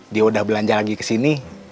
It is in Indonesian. dia udah belanja lagi kesini